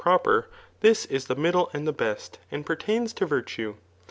ope]> « this iMhe oniddle and the best, and pertains to virtue.